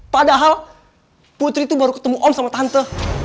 padahal putri itu baru ketemu om sama tante